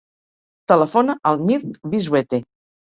Telefona al Mirt Vizuete.